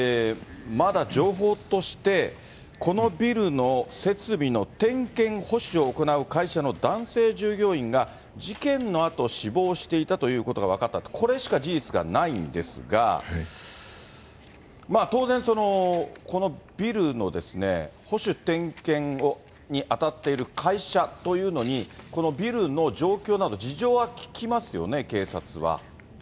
また情報として、このビルの設備の点検保守を行う会社の男性従業員が、事件のあと死亡していたということが分かったと、これしか事実がないんですが、当然、このビルのですね、保守点検に当たっている会社というのに、このビルの状況など、事情は聴きますよね、警察は。